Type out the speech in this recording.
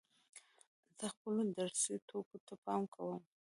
زه خپلو درسي توکو ته پام کوم.